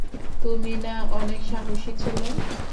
তুমি না অনেক সাহসী ছেলে?